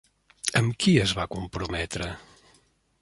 Amb qui es va comprometre?